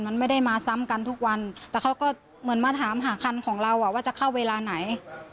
มันไม่ได้มาซ้ำกันทุกวันแต่เขาก็เหมือนมาถามหาคันของเราอ่ะว่าจะเข้าเวลาไหน